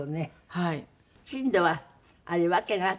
はい。